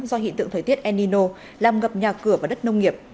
do hiện tượng thời tiết enino làm ngập nhà cửa và đất nông nghiệp